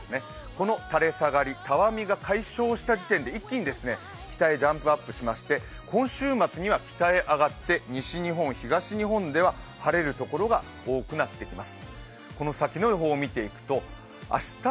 この垂れ下がり、たわみが解消した時点で一気に北へジャンプアップしまして、今週末には北へ上がって、西日本東日本では晴れるところが多くなってきます。